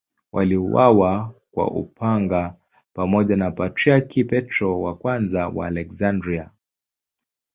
Waliuawa kwa upanga pamoja na Patriarki Petro I wa Aleksandria.